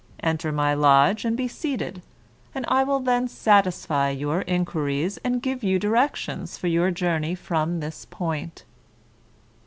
Enter my lodge and be seated, and I will then satisfy your inquiries, and give you directions for your journey from this point."